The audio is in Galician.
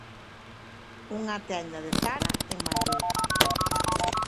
Unha tenda de Zara en Madrid.